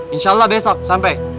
insya allah besok sampe